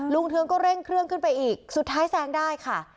เทืองก็เร่งเครื่องขึ้นไปอีกสุดท้ายแซงได้ค่ะ